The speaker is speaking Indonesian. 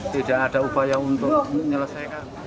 tidak ada upaya untuk menyelesaikan